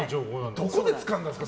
どこでつかんだんですか？